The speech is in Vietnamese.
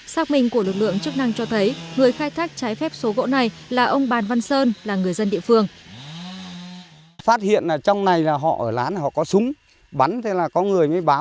xác minh của lực lượng chức năng cho thấy người khai thác trái phép số gỗ này là ông bàn văn sơn là người dân địa phương